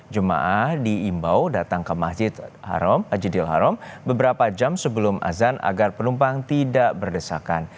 jemaah diimbau datang ke masjid haram ajidil haram beberapa jam sebelum azan agar penumpang tidak berdesakan